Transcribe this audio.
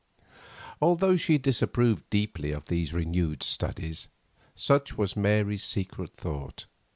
Although she disapproved deeply of these renewed studies, such was Mary's secret thought.